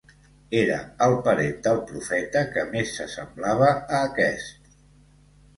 Era el parent del Profeta que més s'assemblava a aquest.